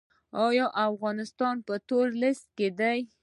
آیا افغانستان په تور لیست کې دی؟